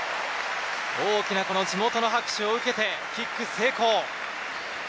大きな地元の拍手を受けてキック成功！